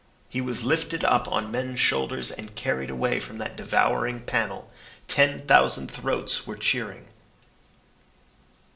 He was lifted up on men's shoulders and carried away from that devouring panel. Ten thousand throats were cheering.